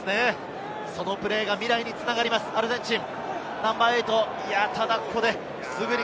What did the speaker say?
そのプレーが未来に繋がります、アルゼンチン。